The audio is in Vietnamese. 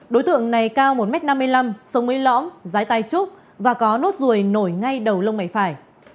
đối tượng này cao một m năm mươi năm sống mấy lõng giái tay trúc và có nốt ruồi nổi ngay đầu lông mảy phải